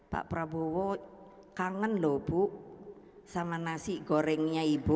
pak prabowo kangen lho bu sama nasi gorengnya ibu